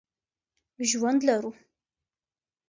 ژوند لرو.